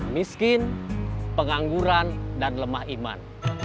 miskin pengangguran dan lemah iman